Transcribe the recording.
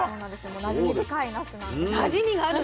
もうなじみ深いなすなんですよ。